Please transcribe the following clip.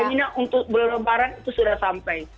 keinginan untuk berlebaran itu sudah sampai